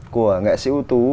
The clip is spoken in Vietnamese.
của nghệ sĩ ưu tú